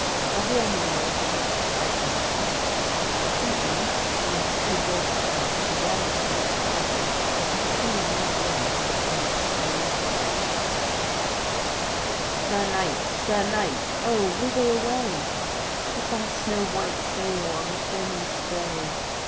Gabrielle murmured a half frightened assent; and Sintram having quickly brought his harp, began to strike it loudly, and to sing these words with a voice no less powerful: "Sir knight, sir knight, oh! whither away With thy snow white sail on the foaming spray?"